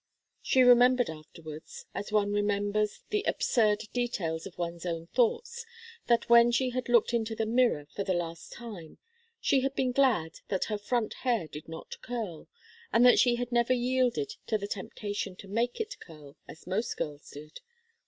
She remembered afterwards as one remembers the absurd details of one's own thoughts that when she had looked into the mirror for the last time, she had been glad that her front hair did not curl, and that she had never yielded to the temptation to make it curl, as most girls did.